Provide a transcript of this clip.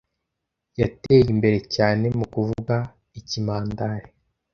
Yateye imbere cyane mu kuvuga Ikimandare.